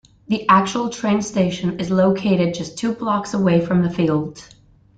The actual train station is located just two blocks away from the field.